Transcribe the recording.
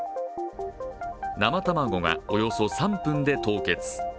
生卵がおよそ３分で凍結。